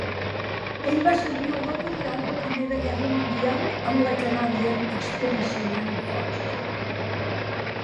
Ell va servir a Europa durant la Primera Guerra Mundial amb la Canadian Expeditionary Force.